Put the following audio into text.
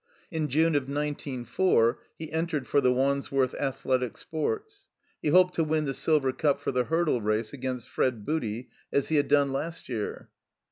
In June of nineteen f our he entered for the Wands worth Athletic Sports. He hoped to win the silver cup for the Hurdle Race, against Fred Booty, as he had done last year.